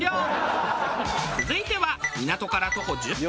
続いては港から徒歩１０分。